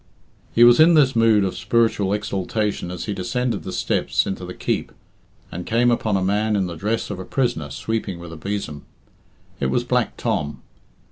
He was in this mood of spiritual exaltation as he descended the steps into the Keep, and came upon a man in the dress of a prisoner sweeping with a besom. It was Black Tom.